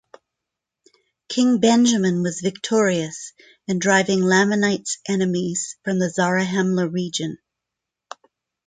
King Benjamin was victorious in driving Lamanites enemies from the Zarahemla region.